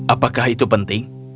apakah itu penting